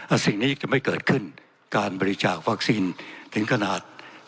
สิ่งนี้จะไม่เกิดขึ้นการบริจาควัคซีนถึงขนาด